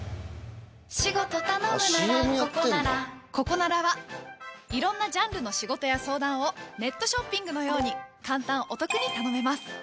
「仕事頼むならココナラ」ココナラは色んなジャンルの仕事や相談をネットショッピングのように簡単おトクに頼めます。